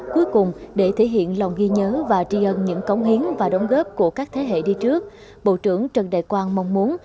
cuối cùng để thể hiện lòng ghi nhớ và tri ân những cống hiến và đóng góp của các thế hệ đi trước bộ trưởng trần đại quang mong muốn